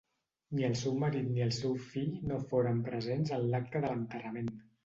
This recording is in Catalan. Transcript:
Ni el seu marit ni el seu fill no foren presents en l'acte de l'enterrament.